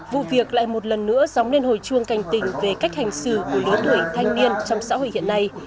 vụ việc lại một lần nữa dóng lên hồi chuông cảnh tình về cách hành xử của lứa tuổi thanh niên trong xã hội hiện nay